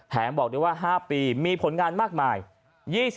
แถมบอกด้วยว่า๕ปีมีผลงานมากมาย